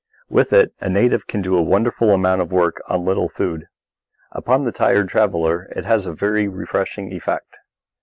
With it a native can do a wonderful amount of work on little food. Upon the tired traveller it has a very refreshing effect.